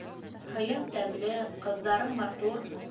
Һыйың тәмле, ҡыҙҙарың матур!